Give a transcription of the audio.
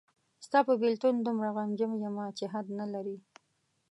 ستا په بېلتون دومره غمجن یمه چې حد نلري